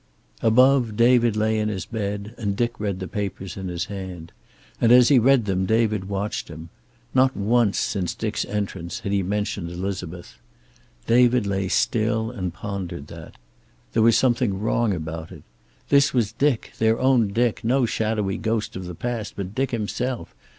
Above, David lay in his bed and Dick read the papers in his hand. And as he read them David watched him. Not once, since Dick's entrance, had he mentioned Elizabeth. David lay still and pondered that. There was something wrong about it. This was Dick, their own Dick; no shadowy ghost of the past, but Dick himself.